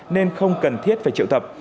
nên không cần thiết phải triệu tập